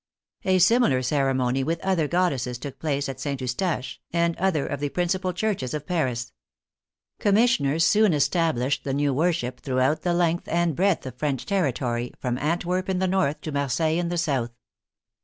A similar ceremony with other goddesses took place at St. Eustache, and other of the principal churches of Paris. Commissioners soon established the new worship throughout the length and breadth of French territory, from Antwerp in the north to Marseilles in the south.